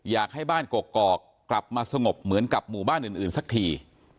อยากให้บ้านกกอกกลับมาสงบเหมือนกับหมู่บ้านอื่นสักที